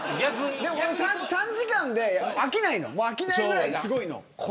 ３時間で飽きないの。飽きないぐらいすごいの。